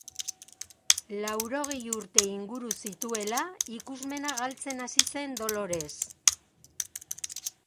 Laurogei urte inguru zituela ikusmena galtzen hasi zen Dolores.